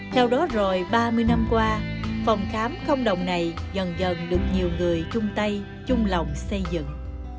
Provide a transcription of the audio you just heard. theo đó rồi ba mươi năm qua phòng khám không đồng này dần dần được nhiều người chung tay chung lòng xây dựng